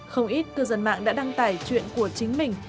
không ít cư dân mạng đã đăng tải chuyện của chính mình